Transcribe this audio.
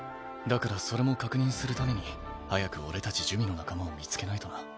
だからそれも確認するために早く俺たち珠魅の仲間を見つけないとな。